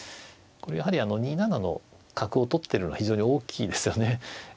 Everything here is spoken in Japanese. これやはり２七の角を取ってるのは非常に大きいですよね。